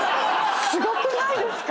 すごくないですか。